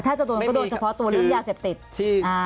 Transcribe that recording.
ถ้าจะโดนก็โดนเฉพาะตัวแล้วก็ยาเสพติด